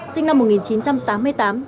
sinh năm một nghìn chín trăm tám mươi tám